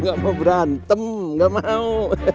gue gak mau berantem gak mau